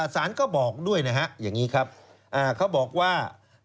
สารก็บอกด้วยนะฮะเขาบอกว่า